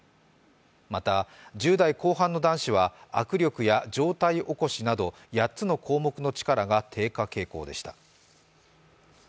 また、１０代後半の男子は握力や上体起こしなど８つの項目の力が低下傾向でした。